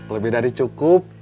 lebih dari cukup